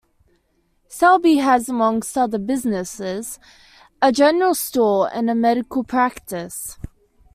Selby has, amongst other businesses, a general store and a medical practice.